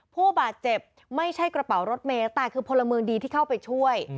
ผู้บาดเจ็บไม่ใช่กระเป๋ารถเมย์แต่คือพลเมืองดีที่เข้าไปช่วย